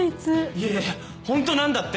いやいやホントなんだって！